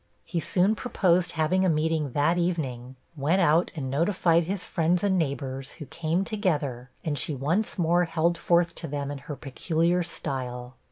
He soon proposed having a meeting that evening, went out and notified his friends and neighbors, who came together, and she once more held forth to them in her peculiar style.